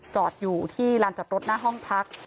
จอดอยู่ที่ลานจอดรถหน้าห้องพัก